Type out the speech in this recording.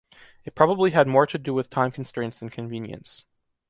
It probably had more to do with time constraints than convenience.